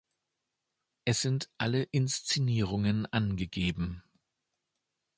Es sind alle Inszenierungen angegeben.